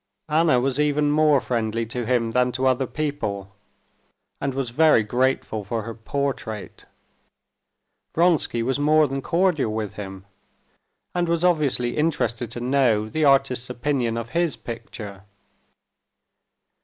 Anna was even more friendly to him than to other people, and was very grateful for her portrait. Vronsky was more than cordial with him, and was obviously interested to know the artist's opinion of his picture.